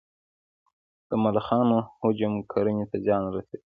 د ملخانو هجوم کرنې ته زیان رسوي